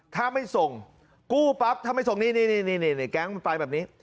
ถ้าไม่ส่งกู้ปั๊บทำให้ส่งนี่แกงตายแบบนี้